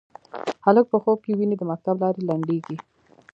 هلک په خوب کې ویني د مکتب لارې لنډیږې